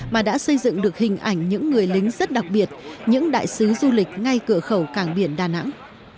mà đã xây dựng được hình ảnh những người lính rất đặc biệt những đại sứ du lịch ngay cửa khẩu cảng biển đà nẵng